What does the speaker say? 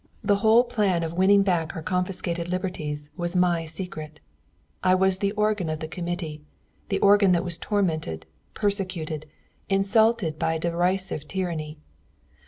The whole plan of winning back our confiscated liberties was my secret; I was the organ of the Committee, the organ that was tormented, persecuted, insulted by a derisive tyranny.